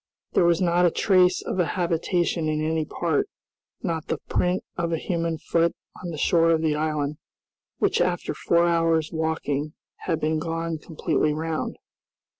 There was not a trace of a habitation in any part, not the print of a human foot on the shore of the island, which after four hours' walking had been gone completely round.